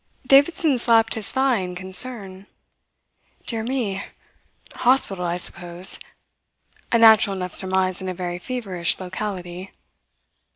Davidson slapped his thigh in concern. "Dear me! Hospital, I suppose." A natural enough surmise in a very feverish locality.